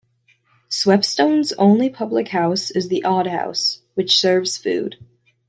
Swepstone's only public house is The Odd House, which serves food.